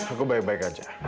aku baik baik aja